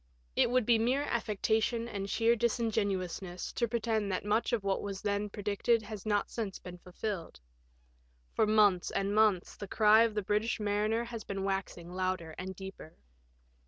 *' It would be mere affectation and sheer disingenuousness to pretend that much of what was then predicted has not since been fulfilled. For months and months the cry of the British mariner has been waxing louder and deeper.